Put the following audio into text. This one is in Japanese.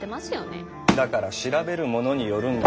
だから調べるものによるんだ。